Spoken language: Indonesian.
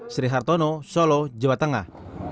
sri hartono solo jawa tengah